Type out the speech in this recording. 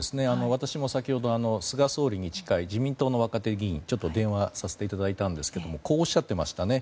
私も先ほど菅総理に自民党の若手議員に、ちょっと電話させていただいたんですがこうおっしゃっていましたね。